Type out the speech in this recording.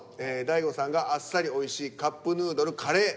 大悟さんが「あっさりおいしいカップヌードルカレー」。